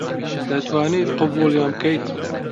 دەتوانیت قبووڵیان بکەیت